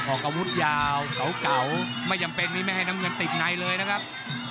ออกอาวุธยาวเก่าไม่จำเป็นนี้ไม่ให้น้ำเงินติดในเลยนะครับ